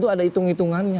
itu ada hitung hitungannya